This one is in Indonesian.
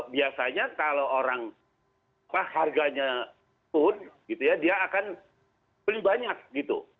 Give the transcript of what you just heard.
biasanya kalau orang harganya pun gitu ya dia akan beli banyak gitu